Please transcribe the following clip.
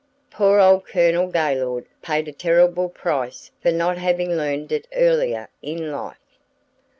Poor old Colonel Gaylord paid a terrible price for not having learned it earlier in life."